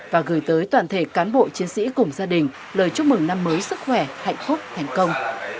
và gửi tới toàn thể cán bộ chiến sĩ cùng gia đình lời chúc mừng năm mới sức khỏe hạnh phúc thành công